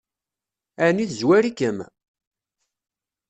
Ɛni tezwar-ikem?